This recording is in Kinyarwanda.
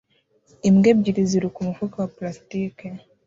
Imbwa ebyiri ziruka umufuka wa plastiki